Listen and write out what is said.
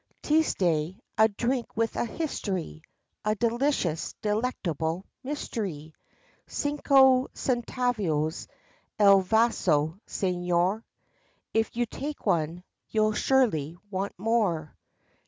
Teestay, a drink with a history, A delicious, delectable mystery, "Cinco centavos el vaso, señor," If you take one, you will surely want more.